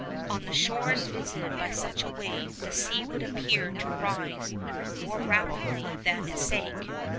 On the shores visited by such a wave, the sea would appear to rise more rapidly than it sank.